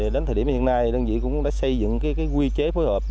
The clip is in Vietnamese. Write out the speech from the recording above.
đến thời điểm hiện nay đơn vị cũng đã xây dựng quy chế phối hợp với một mươi đơn vị